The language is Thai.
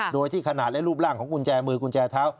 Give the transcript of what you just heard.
โดยที่ขนาดและรูปร่างของกุญแจมือกุญแจเท้า